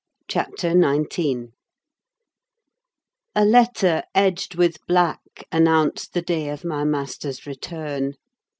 CHAPTER XIX A letter, edged with black, announced the day of my master's return.